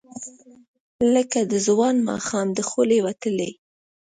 لکه د ځوان ماښام، د خولې وتلې،